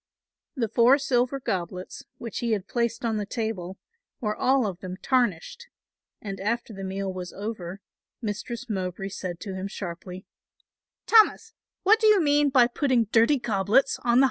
The four silver goblets, which he had placed on the table, were all of them tarnished; and after the meal was over, Mistress Mowbray said to him sharply, "Thomas, what do you mean by putting dirty goblets on the high table?"